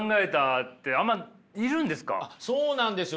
そうなんですよ。